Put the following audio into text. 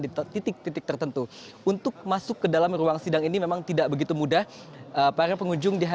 di titik titik tertentu untuk masuk ke dalam ruang sidang ini memang tidak begitu mudah para pengunjung